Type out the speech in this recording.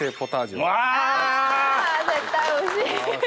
わ！わ絶対おいしい！